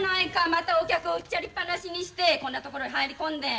またお客をうっちゃりっぱなしにしてこんな所へ入り込んで。